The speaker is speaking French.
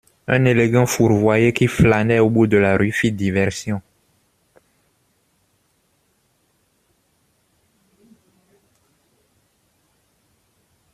Un élégant fourvoyé qui flânait au bout de la rue, fit diversion.